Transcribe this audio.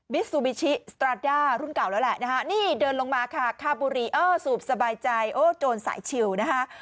ซูบิชิสตราด้ารุ่นเก่าแล้วแหละนะฮะนี่เดินลงมาค่ะคาบุรีเออสูบสบายใจโอ้โจรสายชิวนะคะ